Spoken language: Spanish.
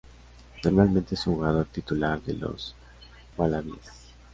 Normalmente es un jugador titular de los Wallabies.